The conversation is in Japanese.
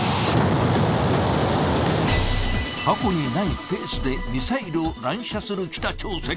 過去にないペースでミサイルを乱射する北朝鮮。